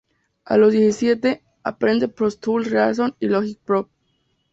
A los diecisiete, aprende Pro Tools, Reason y Logic Pro.